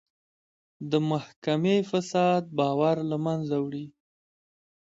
د محکمې فساد باور له منځه وړي.